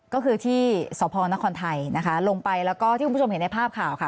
ก็คือที่สพนครไทยนะคะลงไปแล้วก็ที่คุณผู้ชมเห็นในภาพข่าวค่ะ